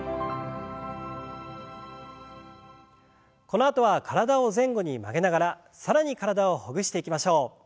このあとは体を前後に曲げながら更に体をほぐしていきましょう。